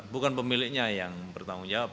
bukan pemiliknya yang bertanggung jawab